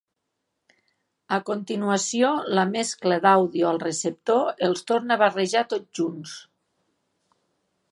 A continuació, la mescla d'àudio al receptor els torna barrejar tots junts.